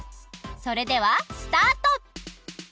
それではスタート！